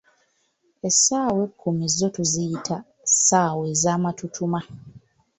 Essaawa ekkumi zo tuziyita "ssaawa ezamatutuma"